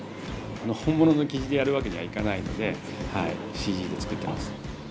本物のキジでやるわけにはいかないのではいＣＧで作ってます。